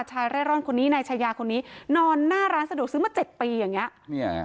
เร่ร่อนคนนี้นายชายาคนนี้นอนหน้าร้านสะดวกซื้อมา๗ปีอย่างนี้